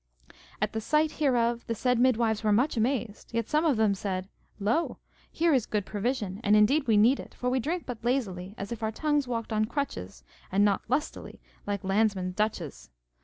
At the sight hereof the said midwives were much amazed, yet some of them said, Lo, here is good provision, and indeed we need it; for we drink but lazily, as if our tongues walked on crutches, and not lustily like Lansman Dutches.